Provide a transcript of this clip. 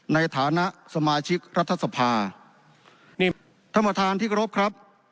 ในฐานะสมาชิกรัฐสภานี่ท่านประธานที่กรบครับ